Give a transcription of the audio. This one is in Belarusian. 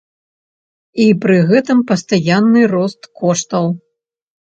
І пры гэтым пастаянны рост коштаў!